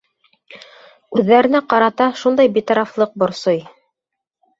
Үҙҙәренә ҡарата шундай битарафлыҡ борсой.